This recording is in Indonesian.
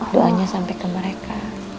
doanya sampai ke mereka